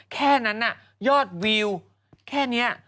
แค่นั้นยอดวิวแค่นี้